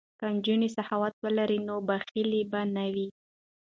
که نجونې سخاوت ولري نو بخل به نه وي.